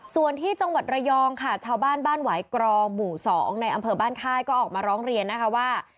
ส่วนที่จังหวัดระยองค่ะชาวบ้านบ้านหวายกรองหมู่๒ในอำเภอบ้านค่ายก็ออกมาร้องเรียนนะคะว่า